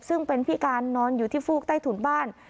ซึ่งเป็นพิการนอนอยู่ที่ฟูกใต้ถุนบ้าน